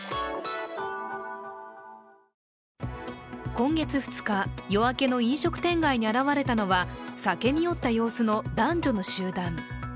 今月２日、夜明けの飲食店街に現れたのは酒に酔った様子の男女の集団。